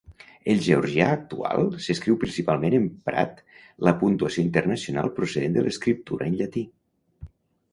El georgià actual s'escriu principalment emprat la puntuació internacional procedent de l'escriptura en llatí.